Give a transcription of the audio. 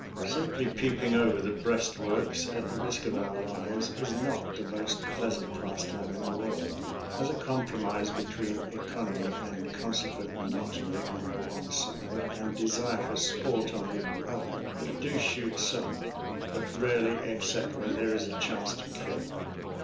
Simply peeping over the breastworks, at the risk of our lives, is not the most pleasant pastime in the world. As a compromise between econ omy and consequent monotony on the one side, and desire for sport on the other, we do shoot some; but rarely except when there is a chance to kill.